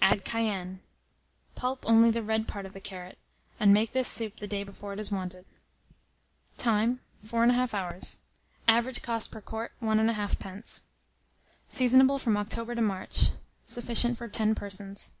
Add cayenne. Pulp only the red part of the carrot, and make this soup the day before it is wanted. Time. 4 1/2 hours. Average cost per quart, 1 1/2d. Seasonable from October to March. Sufficient for 10 persons.